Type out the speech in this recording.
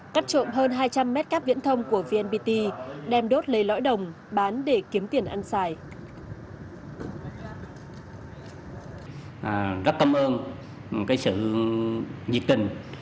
cắt trộm hơn hai trăm linh mét cáp viễn thông của vnpt đem đốt lấy lõi đồng bán để kiếm tiền ăn xài